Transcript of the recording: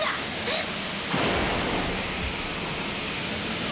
えっ？